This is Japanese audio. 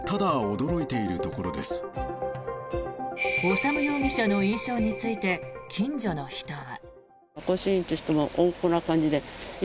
修容疑者の印象について近所の人は。